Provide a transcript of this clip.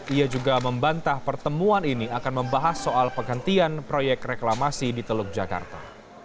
ia juga membantah pertemuan ini akan membahas soal penghentian proyek reklamasi di teluk jakarta